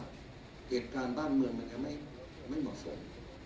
เหตุการณ์บ้านเมืองมันยังไม่เหมาะสม